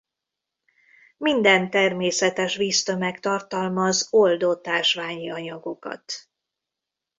Minden természetes víztömeg tartalmaz oldott ásványi anyagokat.